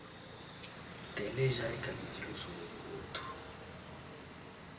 Telejayi kabidi lusumuinu lwetu.